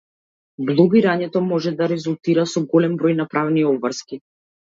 Блогирањето може да резултира со голем број на правни обврски.